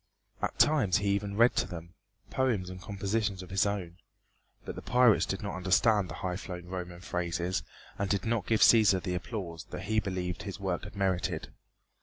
At times he even read to them poems and compositions of his own. But the pirates did not understand the highflown Roman phrases and did not give Cæsar the applause that he believed his work had merited.